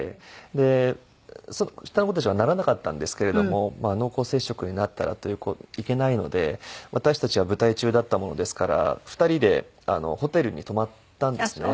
で下の子たちはならなかったんですけれども濃厚接触になったらいけないので私たちは舞台中だったものですから２人でホテルに泊まったんですね。